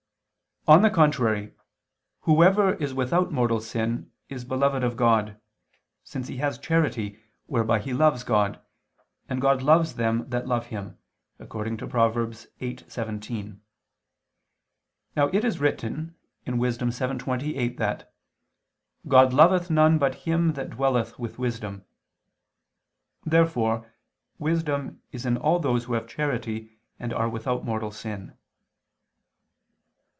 On the contrary, Whoever is without mortal sin, is beloved of God; since he has charity, whereby he loves God, and God loves them that love Him (Prov. 8:17). Now it is written (Wis. 7:28) that "God loveth none but him that dwelleth with wisdom." Therefore wisdom is in all those who have charity and are without mortal sin.